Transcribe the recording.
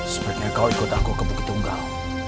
sebaiknya kau ikut aku ke bukit tunggal